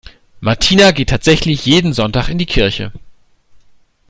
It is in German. Martina geht tatsächlich jeden Sonntag in die Kirche.